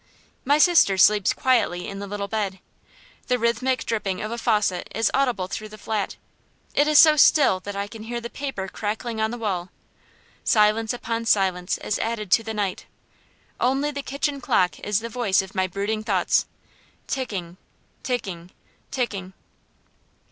My sister sleeps quietly in the little bed. The rhythmic dripping of a faucet is audible through the flat. It is so still that I can hear the paper crackling on the wall. Silence upon silence is added to the night; only the kitchen clock is the voice of my brooding thoughts, ticking, ticking, ticking.